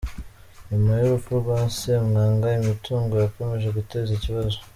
Nyuma y’urupfu rwa Ssemwanga imitungo yakomeje guteza ikibazo.